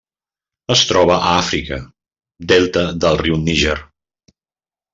Es troba a Àfrica: delta del riu Níger.